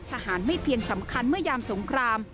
ทหารไม่เพียงสำคัญเมื่อยามสงคราม